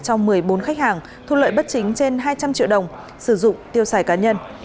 cho một mươi bốn khách hàng thu lợi bất chính trên hai trăm linh triệu đồng sử dụng tiêu xài cá nhân